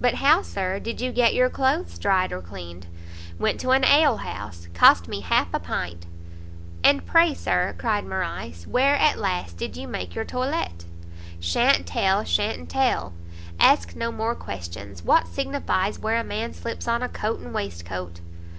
"But how, Sir, did you get your cloaths dried, or cleaned?" "Went to an alehouse; cost me half a pint." "And pray, Sir," cried Morrice, "where, at last, did you make your toilette?" "Sha'n't tell, sha'n't tell; ask no more questions. What signifies where a man slips on a coat and waist coat?"